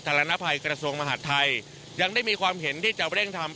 รณภัยกระทรวงมหาดไทยยังได้มีความเห็นที่จะเร่งทำ